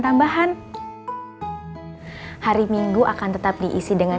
terima kasih buds